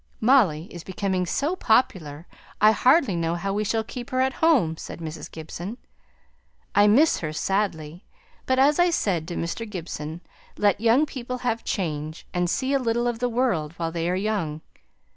"Molly is becoming so popular, I hardly know how we shall keep her at home," said Mrs. Gibson. "I miss her sadly; but, as I said to Mr. Gibson, let young people have change, and see a little of the world while they are young.